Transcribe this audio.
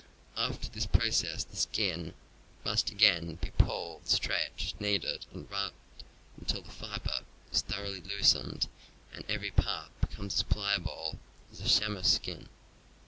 After this process the skin must again be pulled, stretched, kneaded, and rubbed, until the fiber is thoroughly loosened and every part becomes as pli able as chamois skin.